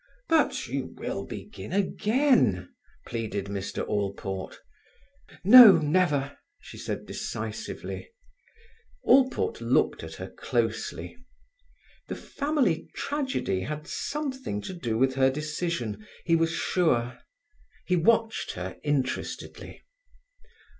"But you will begin again," pleaded Mr. Allport. "No, never!" she said decisively. Allport looked at her closely. The family tragedy had something to do with her decision, he was sure. He watched her interestedly.